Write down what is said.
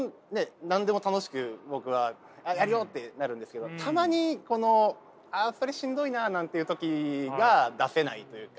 何でも楽しく僕は「やるよ！」ってなるんですけどたまにこのあそれしんどいななんていう時が出せないというか。